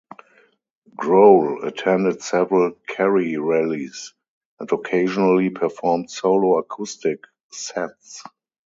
Grohl attended several Kerry rallies and occasionally performed solo acoustic sets.